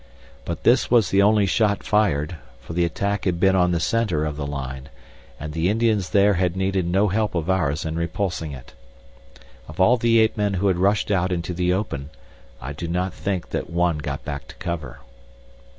But this was the only shot fired, for the attack had been on the center of the line, and the Indians there had needed no help of ours in repulsing it. Of all the ape men who had rushed out into the open, I do not think that one got back to cover.